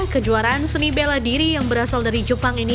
kejuaraan seni bela diri yang berasal dari jepang ini